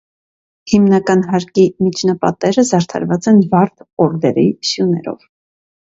Հիմնական հարկի միջապատերը զարդարված են բարդ օրդերի սյուներով։